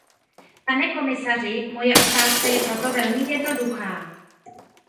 Pane komisaři, moje otázka je proto velmi jednoduchá.